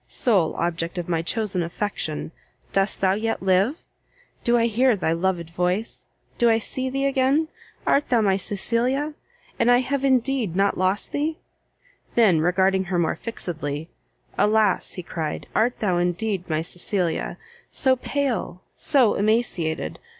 sole object of my chosen affection! dost thou yet live? do I hear thy loved voice? do I see thee again? art thou my Cecilia? and have I indeed not lost thee?" then regarding her more fixedly, "Alas," he cried, "art thou indeed my Cecilia! so pale, so emaciated!